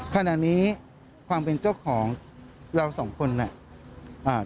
ขณะนี้ความเป็นเจ้าของเราสองคนน่ะอ่า